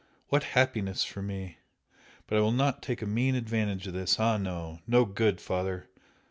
What happiness for me! But I will not take a mean advantage of this ah, no! no good, Father!